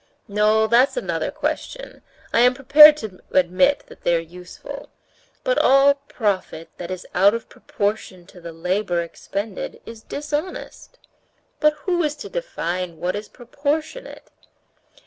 "No, that's another question; I am prepared to admit that they're useful. But all profit that is out of proportion to the labor expended is dishonest." "But who is to define what is proportionate?"